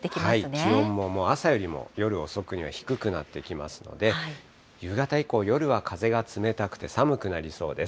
気温も、朝よりも夜遅くには低くなってきますので、夕方以降、夜は風が冷たくて寒くなりそうです。